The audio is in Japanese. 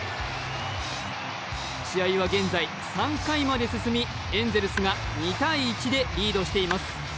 試合は現在、３回まで進みエンゼルスが２−１でリードしています。